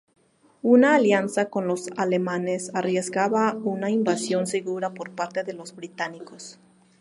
Una alianza con los alemanes arriesgaba una invasión segura por parte de los británicos.